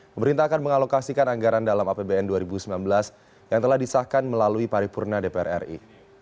pemerintah akan mengalokasikan anggaran dalam apbn dua ribu sembilan belas yang telah disahkan melalui paripurna dpr ri